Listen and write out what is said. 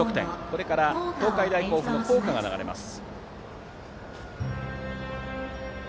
これから東海大甲府の校歌が流れます。